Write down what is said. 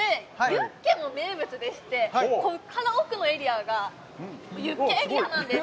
ユッケも名物でしてここから奥のエリアがユッケエリアなんです